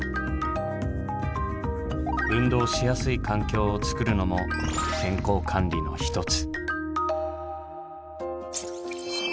運動しやすい環境をつくるのも健康管理の一つ。